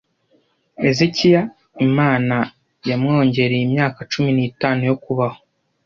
ezekiya imana ya mwongereye imyaka cumi n’itanu yo kubaho